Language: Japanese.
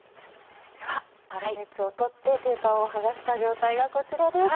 では粗熱を取ってペーパーを剥がした状態がこちらです。